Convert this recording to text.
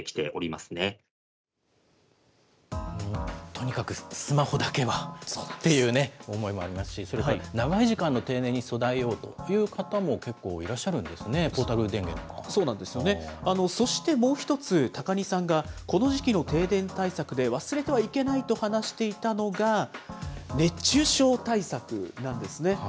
とにかくスマホだけはっていう思いもありますし、それから長い時間の停電に備えようという方も結構いらっしゃるんそうなんですよね、そしてもう一つ、高荷さんが、この時期の停電対策で忘れてはいけないと話していたのが、熱中症対策なんですね。